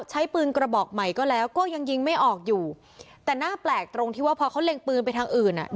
ใช้ปืนกระบอกใหม่ก็แล้วก็ยังยิงไม่ออกอยู่แต่น่าแปลกตรงที่ว่าพอเขาเล็งปืนไปทางอื่นอ่ะ